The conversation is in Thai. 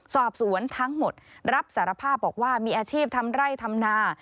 สอบสวนทั้งหมดรับสารภาพบอกว่ามีอาชีพทำไร่ทำนา